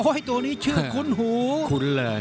โอ้ยตัวนี้ชื่อคุ้นหู